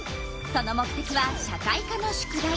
その目てきは社会科の宿題。